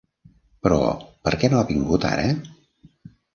Però perquè no ha vingut ara?